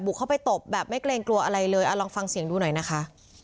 เข้าไปตบแบบไม่เกรงกลัวอะไรเลยลองฟังเสียงดูหน่อยนะคะ